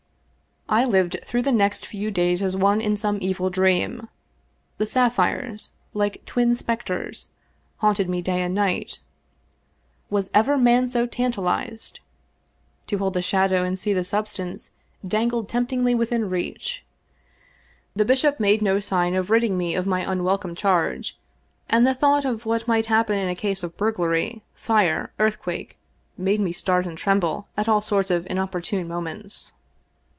I lived through the next few days as one in some evil dream. The sapphires, like twin specters, haunted me day and night. Was ever man so tantalized? To hold the shadow and see the substance dangled temptingly within reach. The bishop made no sign of ridding me of my un welcome charge, and the thought of what might happen in a case of burglary — fire— earthquake — made me start and tremble at all sorts of inopportune moments.